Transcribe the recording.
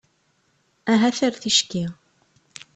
Ahat ar ticki.